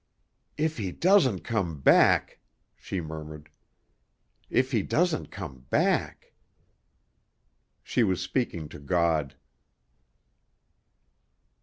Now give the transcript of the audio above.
"If he doesn't come back!" she murmured. "If he doesn't come back!" She was speaking to God.